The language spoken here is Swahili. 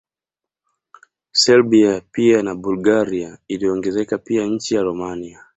Serbia pia na Bulgaria iliongezeka pia nchi ya Romania